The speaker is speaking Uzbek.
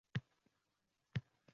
O’zbekiston fuqarosi